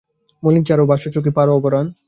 মলিন বসন ছাড়ো সখী, পরো আভরণ।